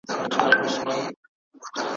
د بیو لوړوالی په نظر کي نیول کیږي.